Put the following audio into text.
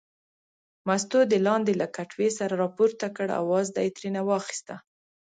مستو د لاندې له کټوې سر راپورته کړ او وازده یې ترېنه واخیسته.